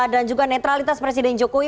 dan juga netralitas presiden jokowi